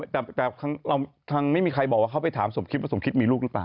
แต่เราทางไม่มีใครบอกว่าเขาไปถามสมคิดว่าสมคิดมีลูกหรือเปล่า